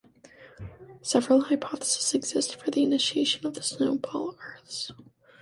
Several hypotheses exist for the initiation of the Snowball Earths.